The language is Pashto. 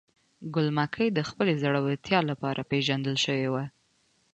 ګل مکۍ د خپل زړورتیا لپاره پیژندل شوې وه.